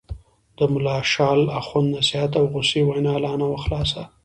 د ملا شال اخُند نصیحت او غوسې وینا لا نه وه خلاصه.